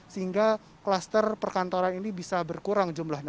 sehingga kluster perkantoran ini bisa berkurang jumlahnya